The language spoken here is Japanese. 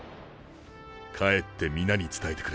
帰って皆に伝えてくれ。